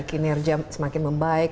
pns ini semakin baik